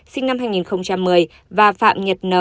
sinh năm hai nghìn một mươi và phạm nhật n